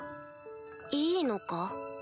いいのか？